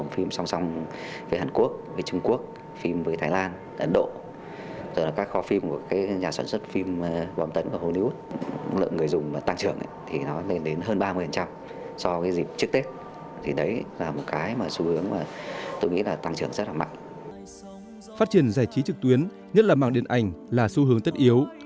phát triển giải trí trực tuyến nhất là mạng điện ảnh là xu hướng tất yếu